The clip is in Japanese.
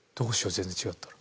全然違ったら。